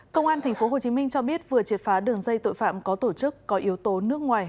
công an tp hcm cho biết vừa triệt phá đường dây tội phạm có tổ chức có yếu tố nước ngoài